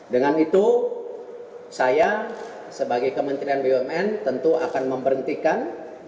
dengan itu saya sebagai kementerian bumn tentu akan memberhentikan